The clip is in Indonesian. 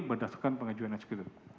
berdasarkan pengajuan dari sekutif